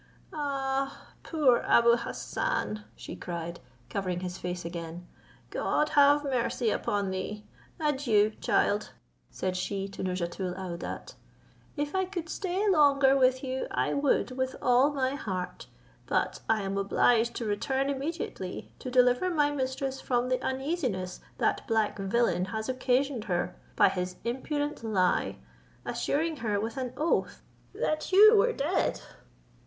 "Ah! poor Abou Hassan," she cried, covering his face again, "God have mercy upon thee. Adieu, child," said she to Nouzhatoul aouadat: "if I could stay longer with you, I would with all my heart; but I am obliged to return immediately, to deliver my mistress from the uneasiness that black villain has occasioned her, by his impudent lie, assuring her with an oath that you were dead."